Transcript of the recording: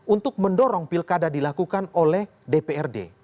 untuk mendorong pilkada dilakukan oleh dprd